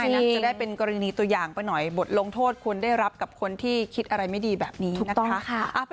น่าจะได้เป็นกรณีตัวอย่างไปหน่อยบทลงโทษควรได้รับกับคนที่คิดอะไรไม่ดีแบบนี้นะคะ